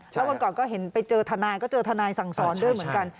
แล้ววันก่อนก็เห็นไปเจอทนายก็เจอทนายสั่งสอนด้วยเหมือนกัน